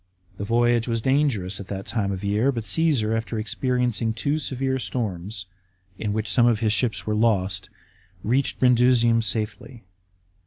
The voyage was dangerous at that season of the year, but Cassar, after experiencing two severe storms, in which some of his ships were lost, reached Brundusium safely.